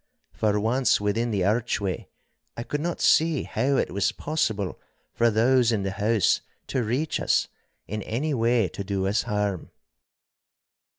For once within the archway, I could not see how it was possible for those in the house to reach us, in any way to do us harm.